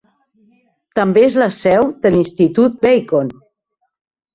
També és la seu de l'Institut Beacon.